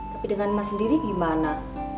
tapi dengan mas sendiri gimana